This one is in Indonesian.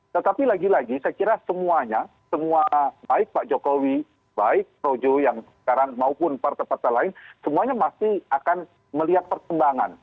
tetapi lagi lagi saya kira semuanya semua baik pak jokowi baik projo yang sekarang maupun partai partai lain semuanya masih akan melihat perkembangan